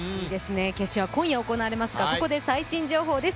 決勝は今夜行われますがここで最新情報です。